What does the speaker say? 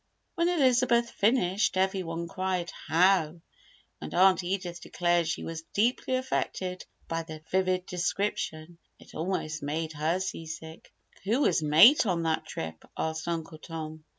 When Elizabeth finished, every one cried "How" and Aunt Edith declared she was deeply affected by the vivid description it almost made her seasick! "Who was mate on that trip?" asked Uncle Tom.